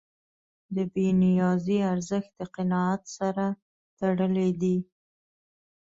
د بېنیازۍ ارزښت د قناعت سره تړلی دی.